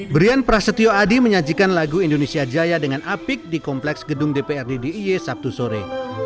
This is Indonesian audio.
brian prasetyo adi menyajikan lagu indonesia jaya dengan apik di kompleks gedung dprd diy sabtu sore